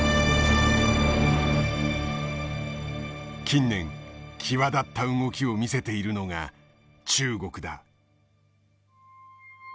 近年際立った動きを見せているのが中国だ。